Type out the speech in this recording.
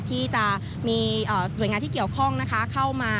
ที่จะมีหน่วยงานที่เกี่ยวข้องเข้ามา